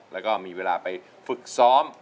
แล้วก็มีเวลาไปฝึกซ้อม